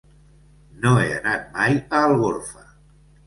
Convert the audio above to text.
No he anat mai a Algorfa.